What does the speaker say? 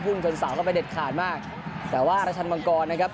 ชนเสาเข้าไปเด็ดขาดมากแต่ว่าราชันมังกรนะครับ